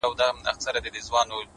• نه په منځ كي خياطان وه نه ټوكران وه,